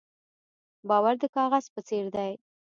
باور د کاغذ په څېر دی.